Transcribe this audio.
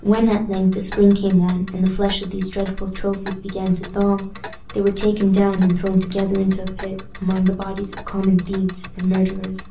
When at length the spring came on, and the flesh of these dreadful trophies began to thaw, they were taken down and thrown together into a pit, among the bodies of common thieves and murderers.